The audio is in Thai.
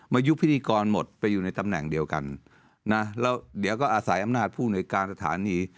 ยุคพิธีกรหมดไปอยู่ในตำแหน่งเดียวกันนะแล้วเดี๋ยวก็อาศัยอำนาจผู้หน่วยการสถานี